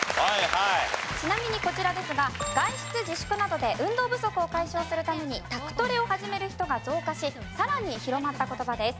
ちなみにこちらですが外出自粛などで運動不足を解消するために宅トレを始める人が増加しさらに広まった言葉です。